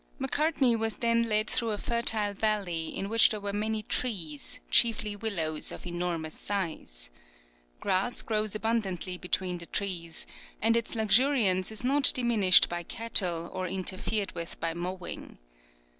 Macartney was then led through a fertile valley, in which there were many trees, chiefly willows of enormous size. Grass grows abundantly between the trees, and its luxuriance is not diminished by cattle or interfered with by mowing.